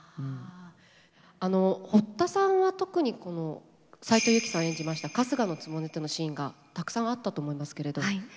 堀田さんは特に斉藤由貴さん演じました春日局とのシーンがたくさんあったと思いますけれど。